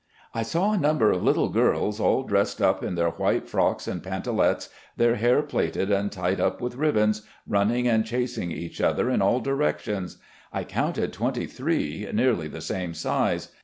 I saw a number of little girls all dressed up in their white frocks and pantalets, their hair plaited and tied up with ribbons, running and chasing each other in all directions. I counted twenty three nearly the same size.